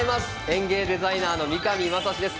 園芸デザイナーの三上真史です。